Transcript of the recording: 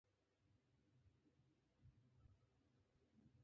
شخړه د ژوند داسې برخه ده چې په هېڅ وجه يې مخنيوی نشي کېدلای.